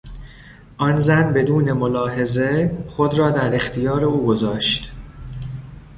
آن زن بدون ملاحظه خود را در اختیار او گذاشت.